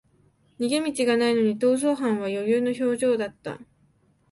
逃げ道がないのに逃走犯は余裕の表情だった